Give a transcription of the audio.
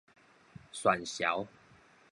訕潲